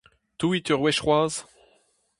Touit ur wech c'hoazh.